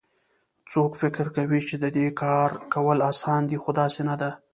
څوک فکر کوي چې د دې کار کول اسان دي خو داسي نه ده